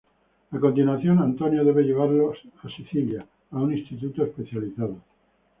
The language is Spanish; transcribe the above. A continuación, Antonio debe llevarlos a Sicilia, a un instituto especializado.